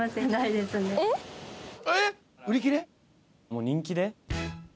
もう人気で？